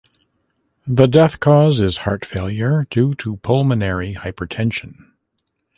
The death cause is heart failure due to pulmonary hypertension.